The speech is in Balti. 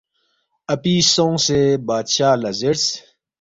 اپی سونگسے بادشاہ لہ زیرس،